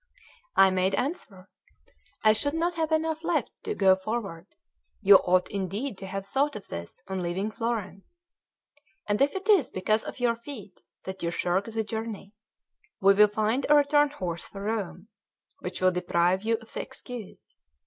I made answer: "I should not have enough left to go forward; you ought indeed to have thought of this on leaving Florence; and if it is because of your feet that you shirk the journey, we will find a return horse for Rome, which will deprive you of the excuse."